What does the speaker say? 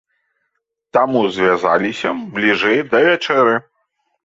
Таму звязаліся бліжэй да вячэры.